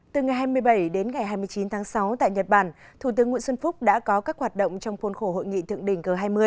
từ ngày hai mươi bảy đến ngày hai mươi chín tháng sáu tại nhật bản thủ tướng nguyễn xuân phúc đã có các hoạt động trong khuôn khổ hội nghị thượng đỉnh g hai mươi